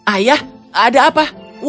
ayah ada apa